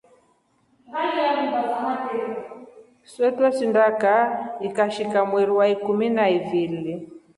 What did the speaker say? Swee trweshinda kaa ikashika mweri wa ikumi ha ivili.